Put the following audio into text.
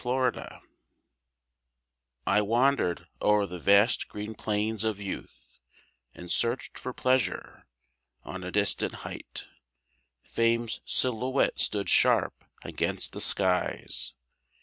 =Sestina= I wandered o'er the vast green plains of youth, And searched for Pleasure. On a distant height Fame's silhouette stood sharp against the skies.